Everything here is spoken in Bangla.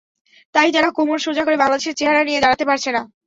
তাই তারা কোমর সোজা করে বাংলাদেশের চেহারা নিয়ে দাঁড়াতে পারছে না।